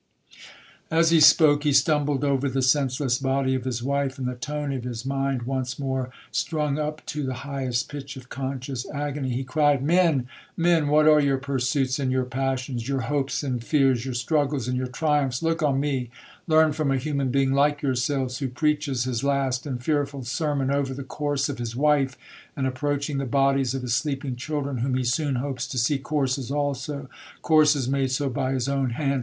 'As he spoke, he stumbled over the senseless body of his wife; and the tone of his mind once more strung up to the highest pitch of conscious agony, he cried, 'Men!—men!—what are your pursuits and your passions?—your hopes and fears?—your struggles and your triumphs?—Look on me!—learn from a human being like yourselves, who preaches his last and fearful sermon over the corse of his wife, and approaching the bodies of his sleeping children, whom he soon hopes to see corses also—corses made so by his own hand!